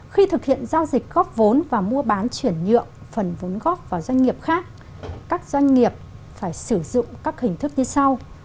khi thực hiện giao dịch góp vốn và mua bán chuyển nhượng phần vốn góp vào doanh nghiệp khác các doanh nghiệp phải sử dụng các hình thức như sau